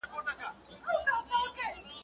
کرنه د ژوند پالنې لاره وه.